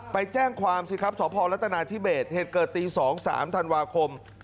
ไปแจ้งความสิครับสพรัฐนาธิเบสเหตุเกิดตี๒๓ธันวาคม